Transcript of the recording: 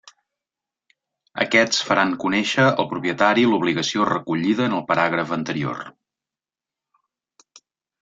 Aquests faran conéixer al propietari l'obligació recollida en el paràgraf anterior.